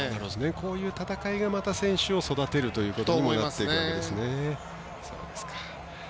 こういう戦いがまた選手を育てることになるわけですね。